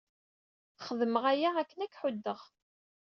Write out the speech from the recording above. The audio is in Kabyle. Xedmeɣ aya akken ad k-ḥuddeɣ.